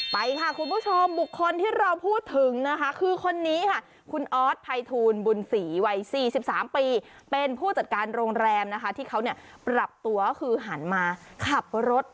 ไปค่ะคุณผู้ชมบุคคลที่เราพูดถึงนะคะคือคนนี้ค่ะคุณออสภัยทูลบุญศรีวัย๔๓ปีเป็นผู้จัดการโรงแรมนะคะที่เขาเนี่ยปรับตัวก็คือหันมาขับรถ